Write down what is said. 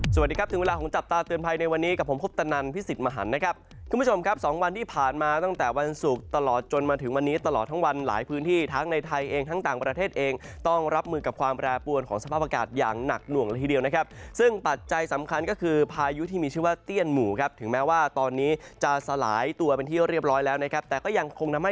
สวัสดีครับถึงเวลาของจับตาเตือนภัยในวันนี้กับผมคบตนันพิสิทธิ์มหันนะครับคุณผู้ชมครับสองวันที่ผ่านมาตั้งแต่วันสุกตลอดจนมาถึงวันนี้ตลอดทั้งวันหลายพื้นที่ทั้งในไทยเองทั้งต่างประเทศเองต้องรับมือกับความแปรปวนของสภาพอากาศอย่างหนักหน่วงละทีเดียวนะครับซึ่งปัจจัยสำคั